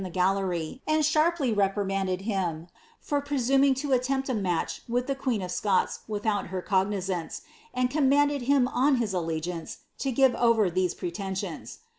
i to her in ilie gallery, and sharply reprimanded him for presuming ta atlemjU a niaich wiih ihe queen of Scots without her cognizance, and commanded him on liia allegiance, lo give over these pretensions.